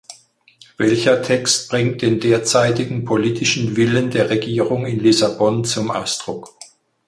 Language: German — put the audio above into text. Welcher Text bringt den derzeitigen politischen Willen der Regierung in Lissabon zum Ausdruck?